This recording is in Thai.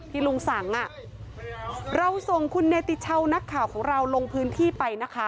ลุงสั่งอ่ะเราส่งคุณเนติชาวนักข่าวของเราลงพื้นที่ไปนะคะ